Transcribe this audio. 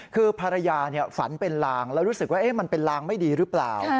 คือภรรยาฝันเป็นลางแล้วรู้สึกว่ามันเป็นลางไม่ดีหรือเปล่า